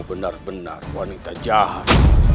benar benar wanita jahat